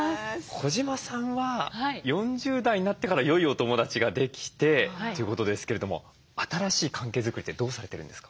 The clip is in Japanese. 小島さんは４０代になってからよいお友だちができてということですけれども新しい関係作りってどうされてるんですか？